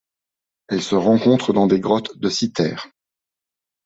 Elle se rencontre dans des grottes de Cythère.